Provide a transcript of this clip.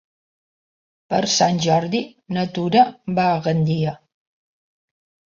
Per Sant Jordi na Tura va a Gandia.